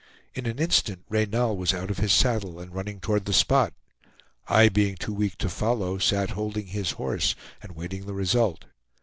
In an instant Reynal was out of his saddle, and running toward the spot. I, being too weak to follow, sat holding his horse and waiting the result.